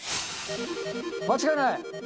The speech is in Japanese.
間違いない！